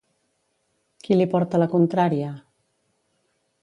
Qui li porta la contrària?